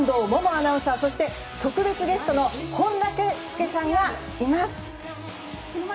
アナウンサーそして特別ゲストの本田圭佑さんがいます。